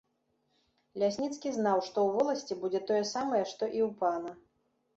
Лясніцкі знаў, што ў воласці будзе тое самае, што і ў пана.